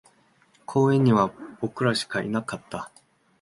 公園には僕らしかいなかった